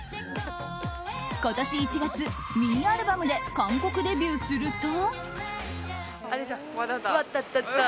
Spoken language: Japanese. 今年１月、ミニアルバムで韓国デビューすると。